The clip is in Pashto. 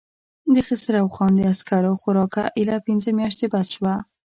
د خسرو خان د عسکرو خوراکه اېله پنځه مياشتې بس شوه.